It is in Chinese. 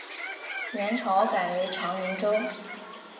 元朝改为长宁州。